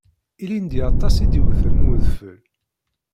Ilindi aṭas i d-iwten n wedfel